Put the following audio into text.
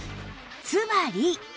つまり